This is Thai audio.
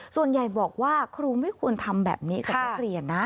ส่วนใหญ่บอกว่าครูไม่ควรทำแบบนี้กับนักเรียนนะ